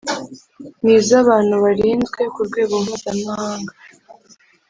n iz abantu barinzwe ku rwego mpuzamahanga